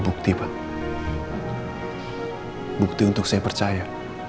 bukti pak bukti untuk saya percaya